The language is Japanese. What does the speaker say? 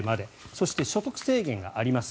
そして所得制限があります。